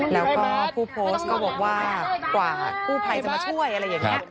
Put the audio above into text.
แล้วก็ผู้โพสต์ก็บอกว่ากว่ากู้ภัยจะมาช่วยอะไรอย่างนี้